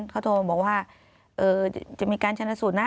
เขาโทรมาบอกว่าจะมีการชนะสูตรนะ